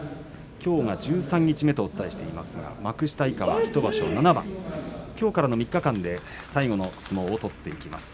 きょうが十三日目とお伝えしていますが幕下以下は１場所７番きょうからの３日間で最後の相撲を取っていきます。